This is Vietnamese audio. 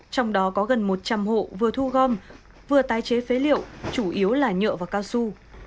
trong đó có gần một trăm linh hộ vừa thu gom vừa tái chế phế liệu chủ yếu là nhựa và cao su